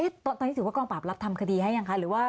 ตอนนี้ถือว่ากองปราบรับทำคดีให้ยังคะหรือว่า